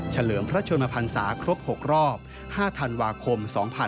เลิมพระชนมพันศาครบ๖รอบ๕ธันวาคม๒๕๖๒